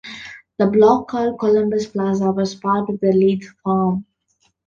The block called Columbus Plaza was part of the Leeds farm.